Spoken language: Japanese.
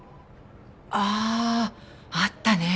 あああったね。